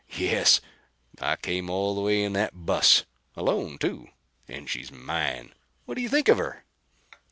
"Yes, I came all the way in that bus. Alone, too and she's mine! What do you think of her?"